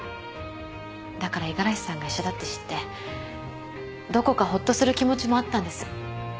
だから五十嵐さんが医者だって知ってどこかほっとする気持ちもあったんです。